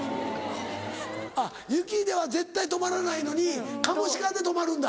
あっ雪では絶対止まらないのにカモシカで止まるんだ。